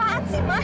apaan sih ma